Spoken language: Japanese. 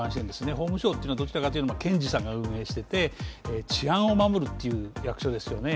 法務省というのはどちらかというと検事さんが運営していて治安を守るという役所ですよね。